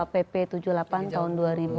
pp tujuh puluh delapan tahun dua ribu lima belas